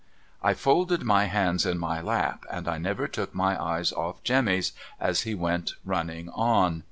I folded my hands in my lap and I never took my eyes off Jemmy as he went running on.